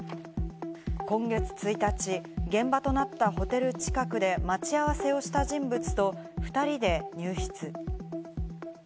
今月１日、現場となったホテル近くで待ち合わせをした人物と２人で入室。